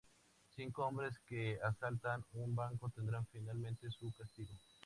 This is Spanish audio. Cinco hombres que asaltan un banco tendrán finalmente su castigo.